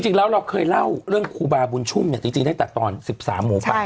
จริงแล้วเราเคยเล่าเรื่องครูบาบุญชุ่มจริงตั้งแต่ตอน๑๓หมูป่า